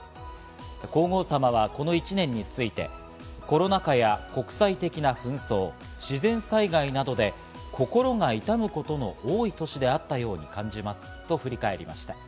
皇后さまはこの１年について、コロナ禍や国際的な紛争、自然災害などで心が痛むことの多い年であったように感じますと振り返りました。